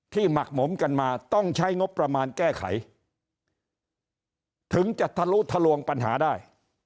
หมักหมมกันมาต้องใช้งบประมาณแก้ไขถึงจะทะลุทะลวงปัญหาได้